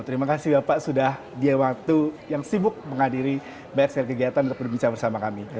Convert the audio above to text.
terima kasih bapak sudah dia waktu yang sibuk menghadiri berserkegiatan dan berbincang bersama kami